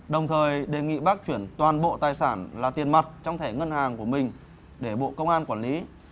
đồng thời đề nghị bác chuyển toàn bộ tài sản là tiền mặt trong thẻ ngân hàng của mình để bộ công an quản lý